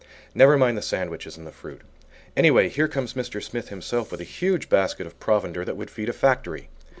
Never mind the sandwiches and the fruit! Anyway, here comes Mr. Smith himself with a huge basket of provender that would feed a factory.